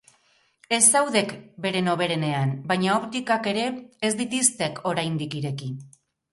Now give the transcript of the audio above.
Ez zaudek beren hoberenean, baina optikak ere ez ditiztek oraindik ireki.